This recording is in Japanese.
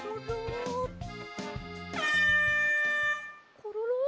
コロロ？